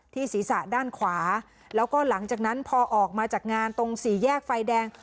ศีรษะด้านขวาแล้วก็หลังจากนั้นพอออกมาจากงานตรงสี่แยกไฟแดง